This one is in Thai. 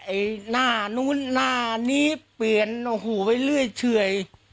ไอ่หน้านนู้นหน้านี้เปลี่ยคู่ไห้เลื่อยเฉย